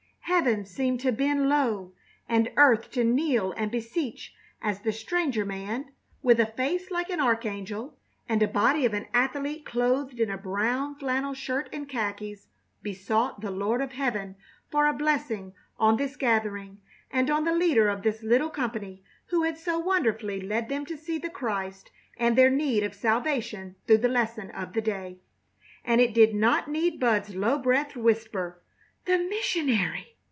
Heaven seemed to bend low, and earth to kneel and beseech as the stranger man, with a face like an archangel, and a body of an athlete clothed in a brown flannel shirt and khakis, besought the Lord of heaven for a blessing on this gathering and on the leader of this little company who had so wonderfully led them to see the Christ and their need of salvation through the lesson of the day. And it did not need Bud's low breathed whisper, "The missionary!"